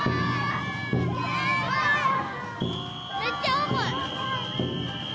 めっちゃ重い！